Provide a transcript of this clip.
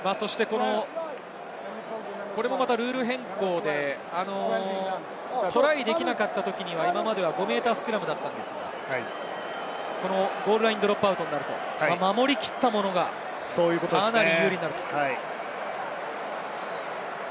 これもまたルール変更で、トライできなかったときには今までは５ｍスクラムだったんですけれど、ゴールラインドロップアウトになって守り切ったものがかなり有利になる。